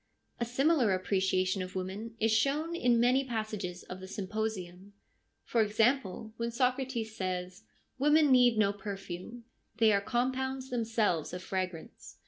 A similar appreciation of women is shown in many passages of the Symposium ; for example, when Socrates says, ' Women need no perfume : they are compounds themselves of fragrance.'